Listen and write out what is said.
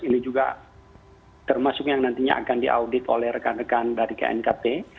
ini juga termasuk yang nantinya akan diaudit oleh rekan rekan dari knkt